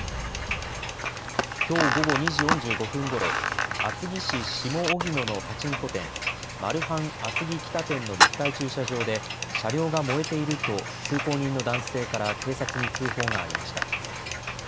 きょう午後２時４５分ごろ、厚木市下荻野のパチンコ店、マルハン厚木北店の立体駐車場で車両が燃えていると通行人の男性から警察に通報がありました。